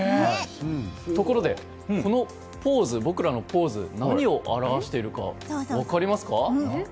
ところで、この僕らのポーズ何を表しているか分かりますか？